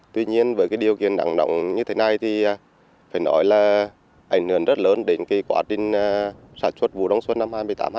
tuy nhiên với điều kiện nặng nọng như thế này phải nói là ảnh hưởng rất lớn đến quá trình sản xuất vụ đông xuân năm hai nghìn một mươi tám hai nghìn một mươi chín